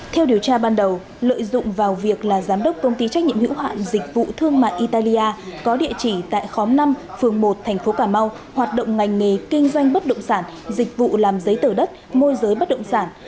theo điều tra ban đầu lợi dụng vào việc là giám đốc công ty trách nhiệm hữu hạn dịch vụ thương mại italia có địa chỉ tại khóm năm phường một thành phố cà mau hoạt động ngành nghề kinh doanh bất động sản dịch vụ làm giấy tờ đất môi giới bất động sản